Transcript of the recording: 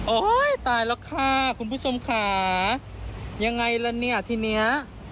ตายแล้วค่ะคุณผู้ชมค่ะยังไงล่ะเนี่ยทีเนี้ย